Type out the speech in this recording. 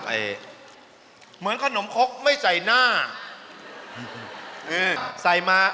เหมือนขนมคกไม่ใส่หน้า